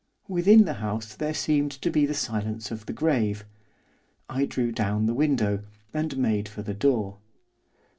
Within the house there seemed to be the silence of the grave. I drew down the window, and made for the door.